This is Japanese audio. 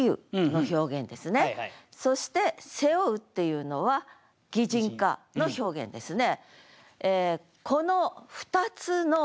そして「背負う」っていうのは擬人化の表現ですね。